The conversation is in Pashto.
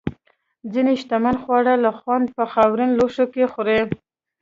ځینې شتمن خواړه له خونده په خاورین لوښو کې خوري.